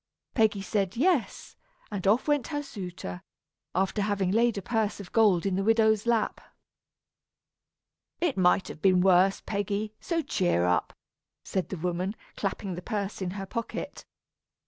Peggy said "yes," and off went her suitor, after having laid a purse of gold in the widow's lap. "It might have been worse, Peggy, so cheer up," said the woman, clapping the purse in her pocket.